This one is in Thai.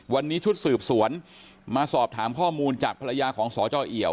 วันนี้ชุดสืบสวนมาสอบถามข้อมูลจากภรรยาของสจเอี่ยว